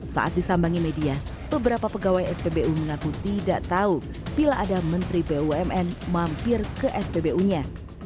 saat disambangi media beberapa pegawai spbu mengaku tidak tahu bila ada menteri bumn mampir ke spbu nya